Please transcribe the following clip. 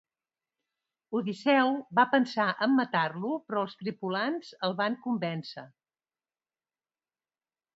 Odisseu va pensar en matar-lo però els tripulants el van convèncer.